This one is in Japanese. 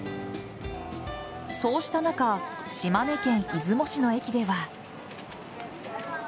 そうした中島根県出雲市の駅では。